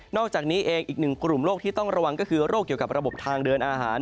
อกจากนี้เองอีกหนึ่งกลุ่มโรคที่ต้องระวังก็คือโรคเกี่ยวกับระบบทางเดินอาหาร